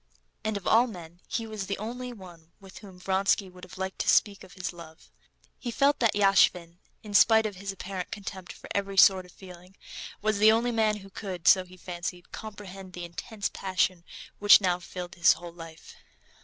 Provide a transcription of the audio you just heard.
And of all men he was the only one with whom Vronsky would have liked to speak of his love. He felt that Yashvin, in spite of his apparent contempt for every sort of feeling, was the only man who could, so he fancied, comprehend the intense passion which now filled his whole life.